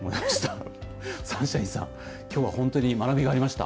三輝さん、きょうは本当に学びがありました。